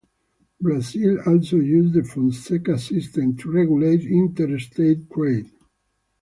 Brazil also uses the Fonseca system to regulate interstate trade.